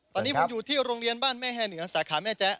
ตอนนี้ผมอยู่ที่โรงเรียนบ้านแม่แห้เหนือสาขาแม่แจ๊